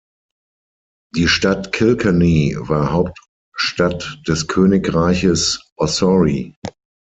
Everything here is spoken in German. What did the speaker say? Die Stadt Kilkenny war Hauptstadt des Königreiches Ossory.